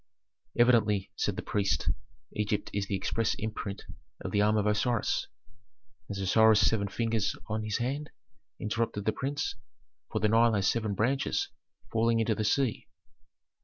"Evidently," said the priest, "Egypt is the express imprint of the arm of Osiris." "Has Osiris seven fingers on his hand," interrupted the prince, "for the Nile has seven branches falling into the sea?"